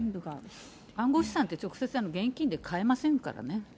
暗号資産って直接、現金で買えませんからね。